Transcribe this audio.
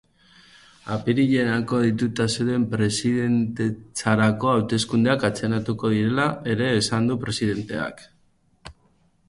Apirilerako deituta zeuden presidentetzarako hauteskundeak atzeratuko direla ere esan du presidenteak.